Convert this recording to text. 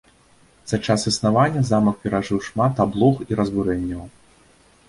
За час існавання замак перажыў шмат аблог і разбурэнняў.